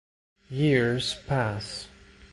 Years pass.